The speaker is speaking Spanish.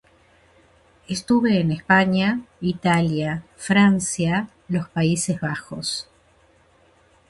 Estuve en España, Italia, Francia, los Países Bajos.